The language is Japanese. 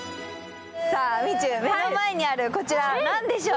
さあ、目の前にあるこちら、何でしょう？